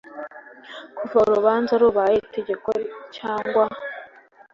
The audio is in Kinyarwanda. kuva urubanza rubaye itegeko cyangwa